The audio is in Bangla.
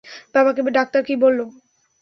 বাবাকে ডাক্তার কী বললো?